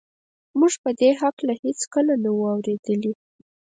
موږ په دې هکله هېڅکله څه نه وو اورېدلي